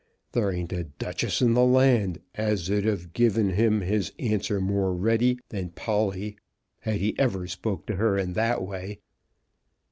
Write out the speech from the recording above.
There ain't a duchess in the land as 'd 've guv' him his answer more ready than Polly had he ever spoke to her that way."